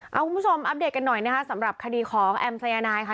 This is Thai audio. คริ่มค่าคุณผู้ชมอัพเดทกันหน่อยนะคะสำหรับคดีของแอมป์นะคะ